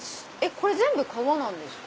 これ全部革なんですか？